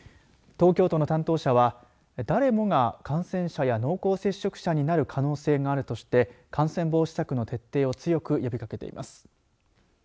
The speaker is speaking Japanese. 東京都の担当者は誰もが感染者や濃厚接触者になる可能性があるとして感染防止策の徹底を強く呼びかけています。